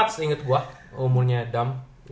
dua ribu empat seinget gue umurnya dumb